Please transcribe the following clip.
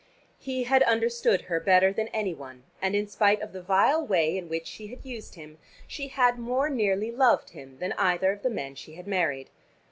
He had understood her better than any one, and in spite of the vile way in which she had used him, she had more nearly loved him than either of the men she had married.